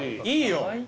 いいよ。